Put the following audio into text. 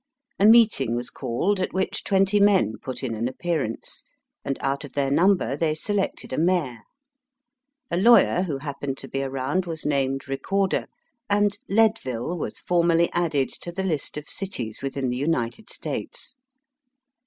A meeting was called, at which twenty men put in an appearance, and out of their number they selected a mayor. A lawyer who happened to be around was named recorder, and Leadville was formally added to the list of cities within the United States.